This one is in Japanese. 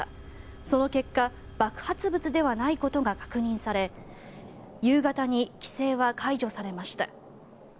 その結果爆発物ではないことが確認され夕方に規制は解除されました。